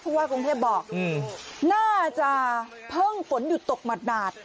ว่ากรุงเทพบอกน่าจะเพิ่งฝนหยุดตกหมาด